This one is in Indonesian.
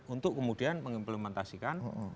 untuk kemudian mengimplementasikan